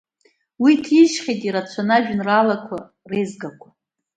Уи иҭижьхьеит ирацәаны ажәеинраалақәа реизгақәа.